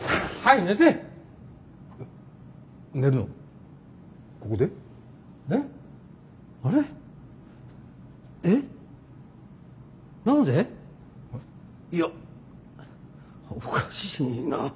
いやおかしいな。